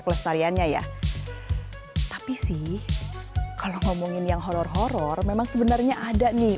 kelesariannya ya tapi sih kalau ngomongin yang horor horor memang sebenarnya ada nih